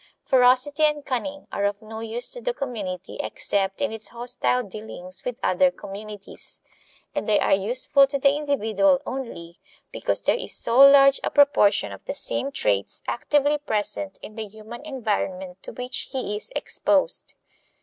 Ferocity and cunning are of no use to the community except in its hostile dealings with other communities; and they are useful to the individual only because there is so large a proportion of the same traits actively present in the human environment to which he is exposed.